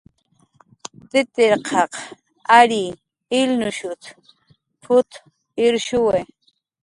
"Tutirtaq ary illnushut"" p""ut irshuwi"